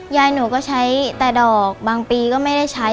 ยายหนูก็ใช้แต่ดอกบางปีก็ไม่ได้ใช้